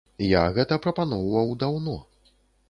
Я гэта прапаноўваў даўно.